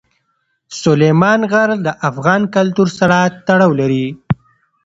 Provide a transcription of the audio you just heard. سلیمان غر له افغان کلتور سره تړاو لري.